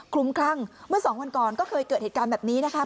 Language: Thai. ลุ้มคลั่งเมื่อสองวันก่อนก็เคยเกิดเหตุการณ์แบบนี้นะคะ